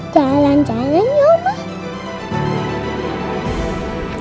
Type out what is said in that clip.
jalan jalan ya oma